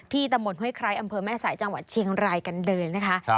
ที่ตะหมดห้วยใครอำเภอแม่สายจังหวัดเชียงรายกันเดินนะคะ